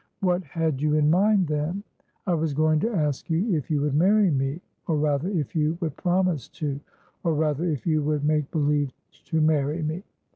"What had you in mind, then?" "I was going to ask if you would marry meor rather, if you would promise toor rather, if you would make believe to marry me.